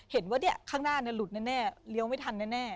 เห็นว่าข้างหน้าหลุดแน่เลี้ยวไม่ทันแน่